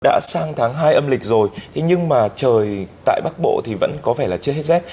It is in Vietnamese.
đã sang tháng hai âm lịch rồi nhưng mà trời tại bắc bộ thì vẫn có vẻ là chưa hết rét